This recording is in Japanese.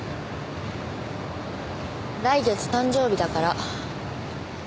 来月誕生日だから。